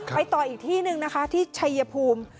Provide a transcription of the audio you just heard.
ต่ออีกที่หนึ่งนะคะที่ชัยภูมิ